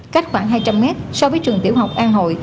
cách khoảng hai trăm linh mét so với trường tiểu học an hội